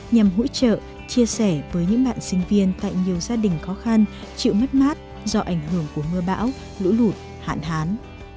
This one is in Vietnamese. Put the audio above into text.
nhằm hỗ trợ chia sẻ với những bạn sinh viên tại nhiều gia đình khó khăn chịu mất mát do ảnh hưởng của mưa bão lũ lụt hạn hán